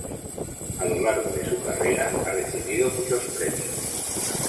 A lo largo de su carrera ha recibido muchos premios.